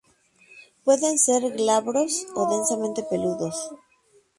Pueden ser glabros o densamente peludos.